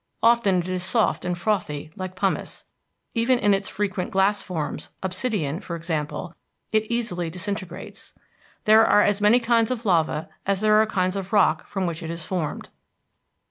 Often it is soft and frothy, like pumice. Even in its frequent glass forms, obsidian, for example, it easily disintegrates. There are as many kinds of lava as there are kinds of rock from which it is formed.